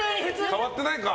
変わってないか。